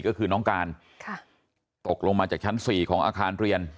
ก็คือน้องการตกลงมาจากชั้น๔ของอาคารเรียน